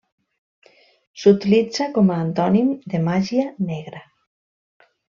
S'utilitza com a antònim de màgia negra.